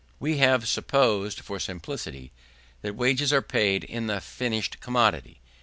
We have supposed, for simplicity, that wages are paid in the finished commodity.